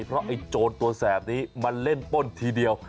เพราะไอ้โจรตัวแสบนี้มันเล่นป้นทีเดียว